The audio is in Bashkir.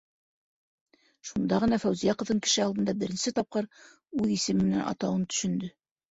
- Шунда ғына Фәүзиә ҡыҙын кеше алдында беренсе тапҡыр үҙ исеме менән атауын төшөндө.